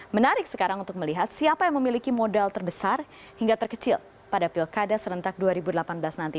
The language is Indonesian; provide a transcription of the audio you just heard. menarik sekarang untuk melihat siapa yang memiliki modal terbesar hingga terkecil pada pilkada serentak dua ribu delapan belas nanti